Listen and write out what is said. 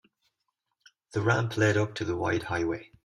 The ramp led up to the wide highway.